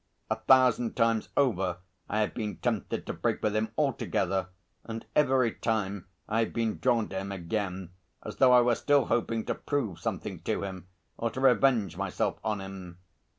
A thousand times over I have been tempted to break with him altogether, and every time I have been drawn to him again, as though I were still hoping to prove something to him or to revenge myself on him.